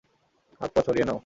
হাত-পা ছড়িয়ে নাও।